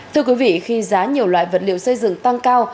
thưa quý vị khi giá nhiều loại vật liệu xây dựng tăng cao